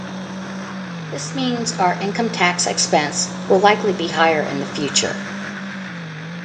This means our income tax expense will likely be higher in the future.